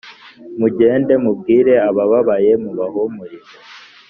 mugende mubwire ababaye mubahumurize